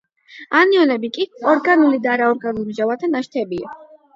ანიონები კი ორგანულ და არაორგანულ მჟავათა ნაშთები.